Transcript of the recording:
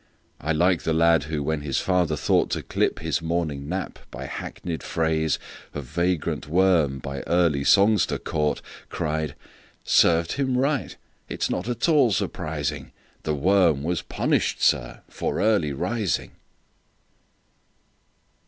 I like the lad who, when his father thoughtTo clip his morning nap by hackneyed phraseOf vagrant worm by early songster caught, Cried, "Served him right!—it 's not at all surprising; The worm was punished, sir, for early rising!"